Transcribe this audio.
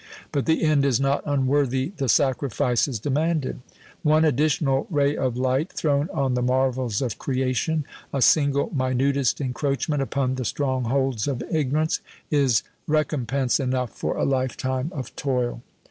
But the end is not unworthy the sacrifices demanded. One additional ray of light thrown on the marvels of creation a single, minutest encroachment upon the strongholds of ignorance is recompense enough for a lifetime of toil.